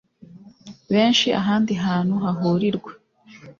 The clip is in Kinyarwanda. benshi ahandi hantu hahurirwa